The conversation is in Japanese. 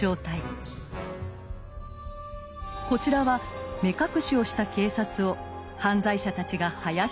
こちらは目隠しをした警察を犯罪者たちがはやしたてている風刺画。